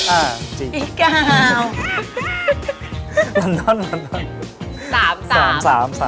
อ่าจีดีกว่า